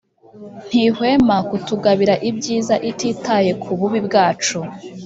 ntihwema kutugabira ibyiza ititaye ku bubi bwacu